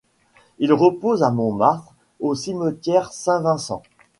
Il repose à Montmartre au cimetière Saint-Vincent.